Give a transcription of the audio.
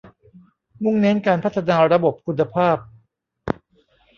มุ่งเน้นการพัฒนาระบบคุณภาพ